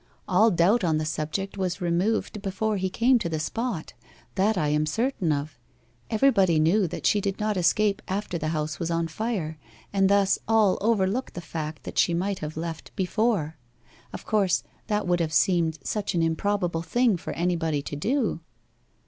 All doubt on the subject was removed before he came to the spot that I am certain of. Everybody knew that she did not escape after the house was on fire, and thus all overlooked the fact that she might have left before of course that would have seemed such an improbable thing for anybody to do.